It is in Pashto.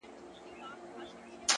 نژدې ورغلم!